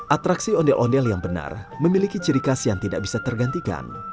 atraksi ondel ondel yang benar memiliki ciri khas yang tidak bisa tergantikan